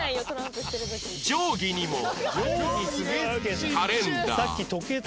定規にもカレンダー